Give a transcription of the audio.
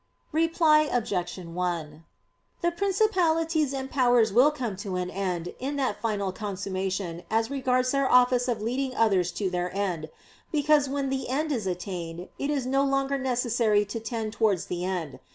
Reply Obj. 1: The principalities and powers will come to an end in that final consummation as regards their office of leading others to their end; because when the end is attained, it is no longer necessary to tend towards the end.